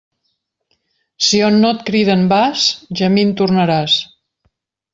Si on no et criden vas, gemint tornaràs.